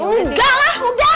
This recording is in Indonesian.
enggak lah udah